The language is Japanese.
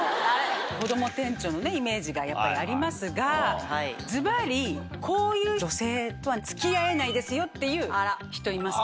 こども店長のイメージがやっぱりありますがズバリこういう女性とは付き合えないですよっていう人いますか？